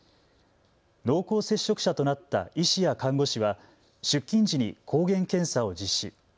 濃厚接触者となった医師や看護師は出勤時に抗原検査を実施。